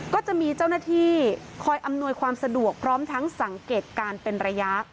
ก็จะมีเจ้าหน้าที่คอยอำนวยความสะดวกพร้อมทั้งสังเกตการณ์เป็นระยะ